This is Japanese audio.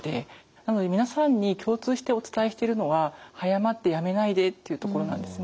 なので皆さんに共通してお伝えしてるのは「早まって辞めないで」っていうところなんですね。